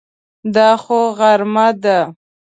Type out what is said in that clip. دا خو غرمه ده!